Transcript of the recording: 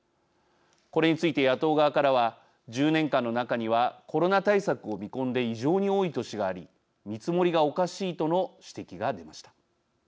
これについて野党側からは１０年間の中にはコロナ対策を見込んで異常に多い年があり見積もりがおかしいとの指摘が出ました。